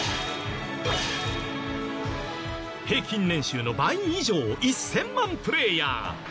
平均年収の倍以上１０００万プレイヤー。